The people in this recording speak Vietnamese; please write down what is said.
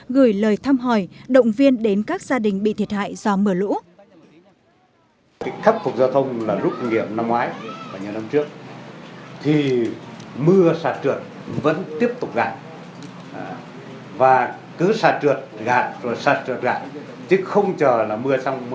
gửi lời thăm hỏi động viên đến các gia đình bị thiệt hại do mưa lũ